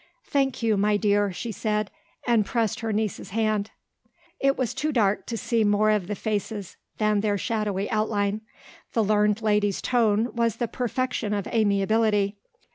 "Thank you, my dear," she said, and pressed her niece's hand. It was too dark to see more of faces than their shadowy outline. The learned lady's tone was the perfection of amiability.